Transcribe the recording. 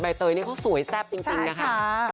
เตยนี่เขาสวยแซ่บจริงนะคะ